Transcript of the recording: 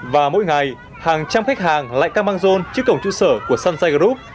và mỗi ngày hàng trăm khách hàng lại cam mang rôn trước cổng chủ sở của sunshine group